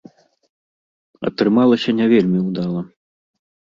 Атрымалася не вельмі ўдала.